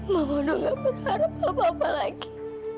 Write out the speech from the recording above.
mama udah nggak berharap apa apa lagi